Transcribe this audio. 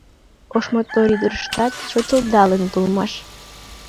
Ош мотор ӱдырыштат шочылдалыныт улмаш